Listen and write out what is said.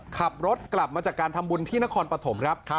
ขับรถกลับมาจากการทำบุญที่นครปฐมครับ